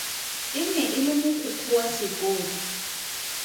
E ne e le mogokgo wa sekolo.